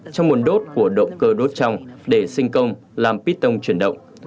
trong nguồn đốt của động cơ đốt trong để sinh công làm piston chuyển động